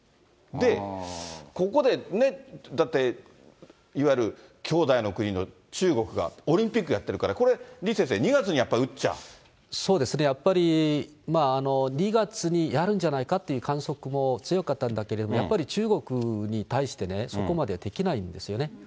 ここでね、だっていわゆる兄弟の国の中国がオリンピックやっているから、これ、李先生、そうですね、やっぱり２月にやるんじゃないかっていう観測も強かったんだけれども、やっぱり中国に対してね、そこまでできないんですよね。